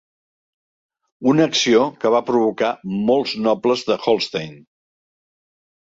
Una acció que va provocar molts nobles de Holstein.